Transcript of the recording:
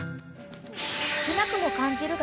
［少なくも感じるが］